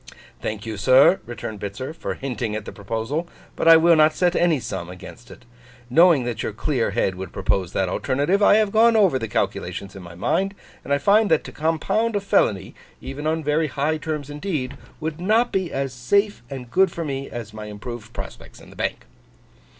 'Thank you, sir,' returned Bitzer, 'for hinting at the proposal; but I will not set any sum against it. Knowing that your clear head would propose that alternative, I have gone over the calculations in my mind; and I find that to compound a felony, even on very high terms indeed, would not be as safe and good for me as my improved prospects in the Bank.